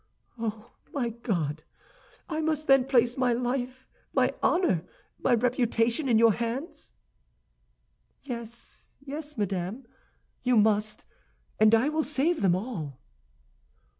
"Oh, my God! I must then place my life, my honor, my reputation, in your hands?" "Yes, yes, madame, you must; and I will save them all."